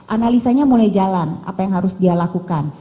analisanya mulai jalan apa yang harus dia lakukan